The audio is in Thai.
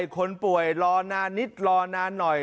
คนป่วยรอนานนิดรอนานหน่อย